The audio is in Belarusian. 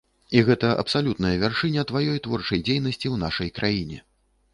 І гэта абсалютна вяршыня тваёй творчай дзейнасці ў нашай краіне.